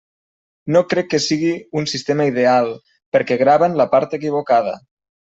No crec que sigui un sistema ideal, perquè grava en la part equivocada.